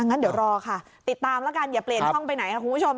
งั้นเดี๋ยวรอค่ะติดตามแล้วกันอย่าเปลี่ยนช่องไปไหนค่ะคุณผู้ชม